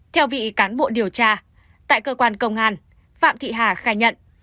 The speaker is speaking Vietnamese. theo vị cán bộ điều tra tại cơ quan công an phạm thị hà khai nhận